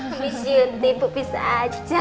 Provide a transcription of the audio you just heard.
i miss you t ibu bisa aja